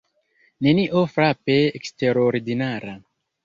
Nenio frape eksterordinara.